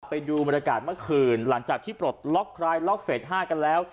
ไปดูบรรยากาศเมื่อคืนหลังจากที่ปลดล็อกคลายล็อกเฟส๕กันแล้ว